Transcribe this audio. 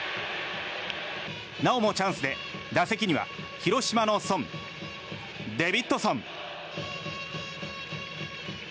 なおもチャンスで打席には広島のソンデビッドソン。